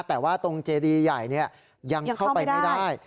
แต่ว่าตรงเจดีใหญ่ยังเข้าไปไม่ได้